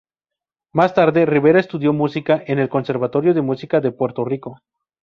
Más tarde, Rivera estudió música en el Conservatorio de Música de Puerto Rico.